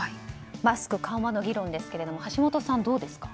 マスク緩和の議論ですが橋下さん、どうですか？